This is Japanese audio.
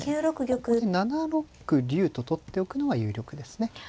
ここで７六竜と取っておくのが有力ですね。